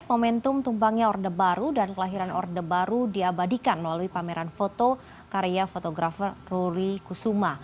momentum tumbangnya orde baru dan kelahiran orde baru diabadikan melalui pameran foto karya fotografer ruri kusuma